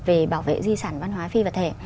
về bảo vệ di sản văn hóa phi vật thể